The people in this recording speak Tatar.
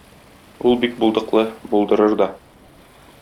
Ул бик булдыклы, булдырыр да.